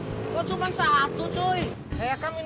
lagi nya juga udah cukup